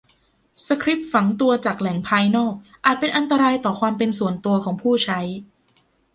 สคริปต์ฝังตัวจากแหล่งภายนอกอาจเป็นอันตรายต่อความเป็นส่วนตัวของผู้ใช้